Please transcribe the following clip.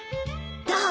どう？